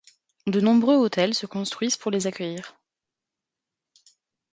De nombreux hôtels se construisent pour les accueillir.